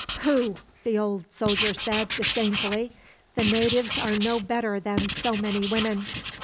"Pooh!" the old soldier said, disdainfully. "The natives are no better than so many women."